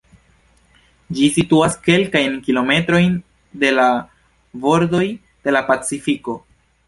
Ĝi situas kelkajn kilometrojn de la bordoj de la Pacifiko.